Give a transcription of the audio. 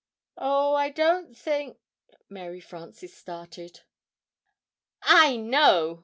"] "Oh, I don't think " Mary Frances started. "I know!"